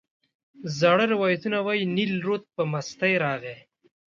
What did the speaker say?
زاړه روایتونه وایي نیل رود به په مستۍ راغی.